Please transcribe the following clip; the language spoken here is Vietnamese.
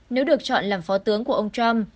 nếu được chọn làm phó tướng của ông trump